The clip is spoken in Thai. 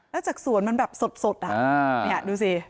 แล้วจากสวนมันแบบสดอ่ะนี่ดูสิ